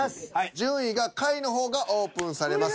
順位が下位の方がオープンされます。